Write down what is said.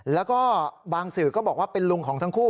แล้วก็บางสื่อก็บอกว่าเป็นลุงของทั้งคู่